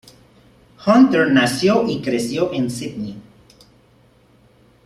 Hunter nació y creció en Sídney.